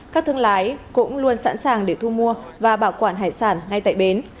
các thương lái cũng luôn sẵn sàng để thu mua và bảo quản hải sản ngay tại bến